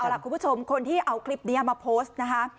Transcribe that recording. เอาล่ะคุณผู้ชมคนที่เอาคลิปนี้มาโพสต์นะคะ